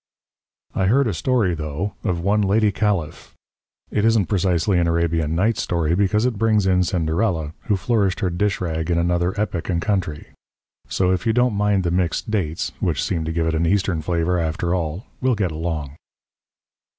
I heard a story, though, of one lady Caliph. It isn't precisely an Arabian Nights story, because it brings in Cinderella, who flourished her dishrag in another epoch and country. So, if you don't mind the mixed dates (which seem to give it an Eastern flavour, after all), we'll get along.